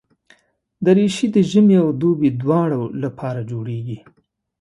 دریشي د ژمي او دوبي دواړو لپاره جوړېږي.